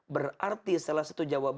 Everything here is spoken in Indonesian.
berarti salah satu jawabannya